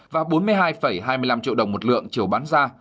và bốn mươi hai hai mươi năm triệu đồng một lượng chiều bán ra